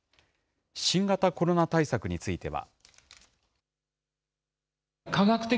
新型コロナ対策については。